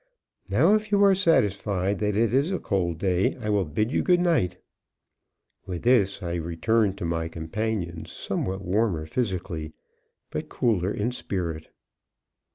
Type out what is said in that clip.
Now, if you are satisfied that it is a cold day, I will bid you good night." With this I returned to my companions, somewhat warmer physically, but cooler in spirit.